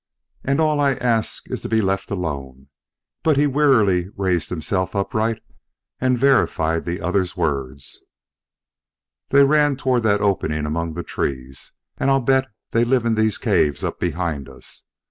"And all I ask is to be left alone!" But he wearily raised himself upright and verified the other's words. "They ran toward that opening among those trees. And I'll bet they live in these caves up here behind us.